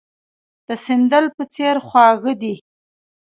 د سندل په څېر خواږه دي.